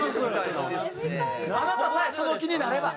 あなたさえその気になれば。